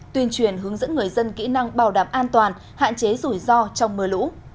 tuyên truyền hướng dẫn người dân kỹ năng bảo đảm an toàn hạn chế rủi ro trong mưa lũ